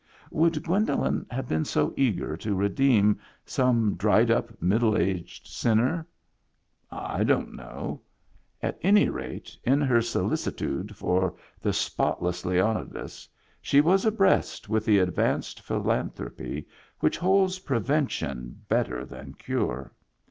Would Gwendolen have been so eager to redeem some dried up middle aged sinner? I don't know. At any rate, in her solicitude for the spotless Leonidas, she was abreast with the advanced Philanthropy which holds prevention better than cure.